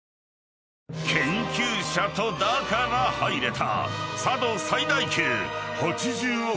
［研究者とだから入れた］